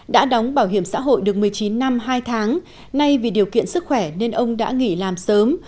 đã đóng bảo hiểm xã hội được một mươi chín năm hai tháng nay vì điều kiện sức khỏe nên ông đã nghỉ làm sớm